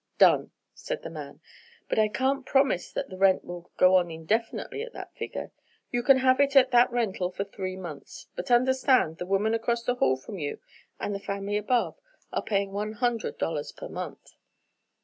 "Done!" said the man, "but I can't promise that the rent will go on indefinitely at that figure. You can have it at that rental for three months, but understand, the woman across the hall from you and the family above, are paying one hundred dollars per month."